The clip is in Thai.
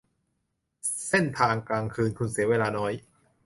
เดินทางกลางคืน คุณเสียเวลาน้อย